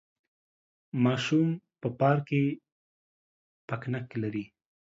ماشوم په پارک کې پکنک لري.